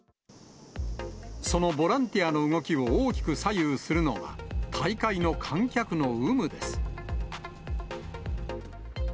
そのボランティアの動きを大きく左右するのは、大会の観客の有無です。